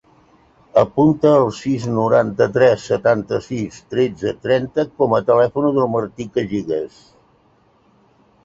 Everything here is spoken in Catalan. Apunta el sis, noranta-tres, setanta-sis, tretze, trenta com a telèfon del Martí Cagigas.